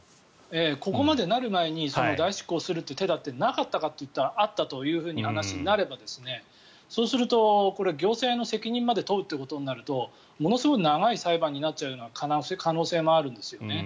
ここまでなる前に代執行する手だってなかったかといえばあったという話になるとすればそうすると行政の責任まで問うなるとものすごい長い裁判になる可能性もあるんですね。